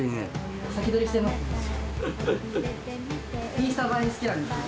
インスタ映え好きなんですか？